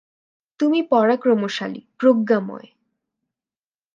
তুমি পরাক্রমশালী, প্রজ্ঞাময়।